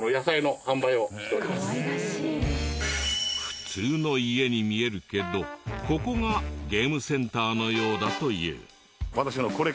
普通の家に見えるけどここがゲームセンターのようだという。